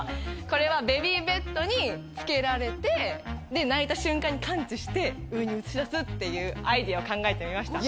これはベビーベッドに付けられて泣いた瞬間に感知して上に映し出すっていうアイデアを考えてみました。